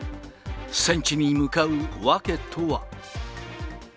戦地に向かう訳とは。